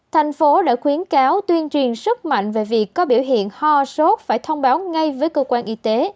thành phố đã khuyến cáo tuyên truyền sức mạnh về việc có biểu hiện ho sốt phải thông báo ngay với cơ quan y tế